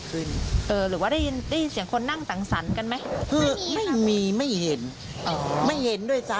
คือเราไม่เคยวุ่นวายกับเขาไม่เคยยุ่งเกี่ยวเขา